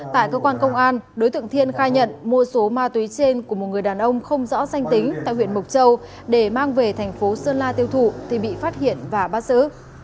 tại cơ quan công an đối tượng thiên khai nhận mua số ma túy trên của một người đàn ông không rõ sanh tính tại huyện mộc châu để mang về thành phố sơn la tiêu thụ thì bị phát hiện và bắt giữ